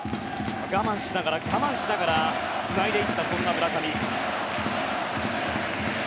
我慢しながら我慢しながらつないでいった村上。